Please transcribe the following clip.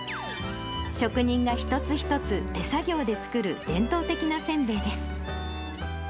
職人が一つ一つ、手作業で作る伝統的なせんべいです。